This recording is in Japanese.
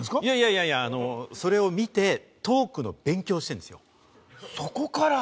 いやいや、トークの勉強をしてるんですよ。